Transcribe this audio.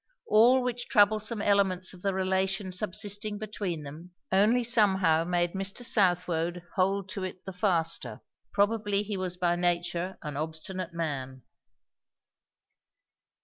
All which troublesome elements of the relation subsisting between them, only somehow made Mr. Southwode hold to it the faster. Probably he was by nature an obstinate man.